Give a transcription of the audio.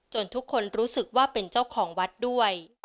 ทุกคนรู้สึกว่าเป็นเจ้าของวัดด้วย